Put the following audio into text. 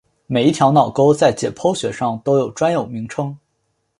每一条脑沟在解剖学上都有专有名称。